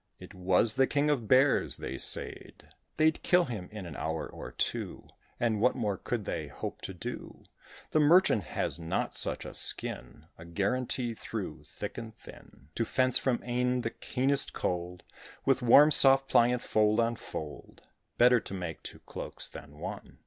It was the King of Bears, they said: They'd kill him in an hour or two, And what more could they hope to do? "The merchant has not such a skin, A guarantee through thick and thin, To fence from e'en the keenest cold With warm, soft, pliant fold on fold: Better to make two cloaks than one."